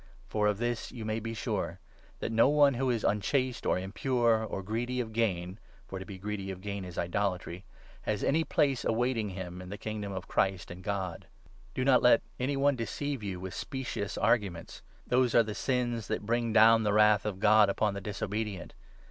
For of this you may be sure — that .10 one who is 5 unchaste or impure or greedy of gain (for to be greedy of gain is idolatry) has any place awaiting him in the Kingdom of the Christ and God. Do not let any one deceive you with specious arguments. 6 Those are the sins that bring down the Wrath of God upon the disobedient.